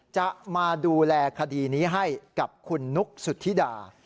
จะมาดูแลคดีนี้ให้กับคุณนุ๊กสุธิดา